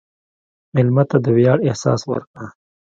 مېلمه ته د ویاړ احساس ورکړه.